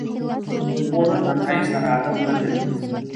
خور له تنهایۍ سره عادت نه لري.